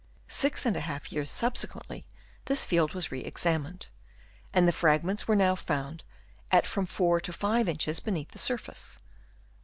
Six and a half years subsequently this field was re examined, and the fragments were now found at from 4 to 5 inches beneath the surface.